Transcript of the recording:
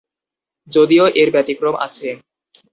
যদিও এর ব্যতিক্রম আছে।